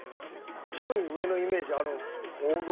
順位上のイメージあるんです。